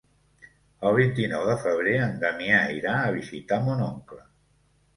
El vint-i-nou de febrer en Damià irà a visitar mon oncle.